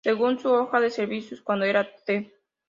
Según su hoja de servicios, cuando era Tte.